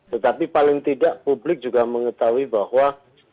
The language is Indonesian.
tetapi paling tidak publik juga mengetahui bahwa